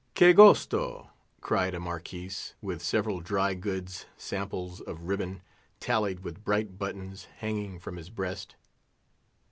"Que gosto!" cried a Marquis, with several dry goods samples of ribbon, tallied with bright buttons, hanging from his breast.